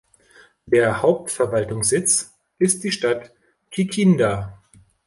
Der Hauptverwaltungssitz ist die Stadt Kikinda.